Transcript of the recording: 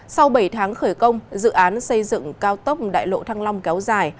sau bảy tháng khởi công dự án xây dựng cao tốc đại lộ thăng long kéo dài